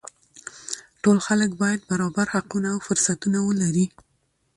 ټول خلک باید برابر حقونه او فرصتونه ولري